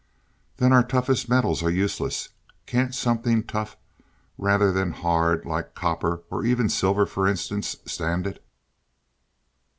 "Then our toughest metals are useless? Can't something tough, rather than hard, like copper or even silver for instance, stand it?"